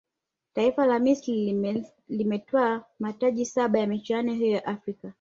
taifa la misri limetwaa mataji saba ya michuano hiyo ya afrika